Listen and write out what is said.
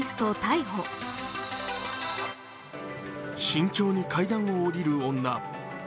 慎重に階段を降りる女。